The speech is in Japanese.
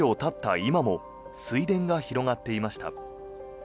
今も水田が広がっていました。